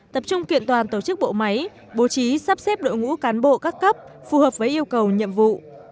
tập trung kiện toàn tổ chức bộ máy bố trí sắp xếp đội ngũ cán bộ các cấp phù hợp với yêu cầu nhiệm vụ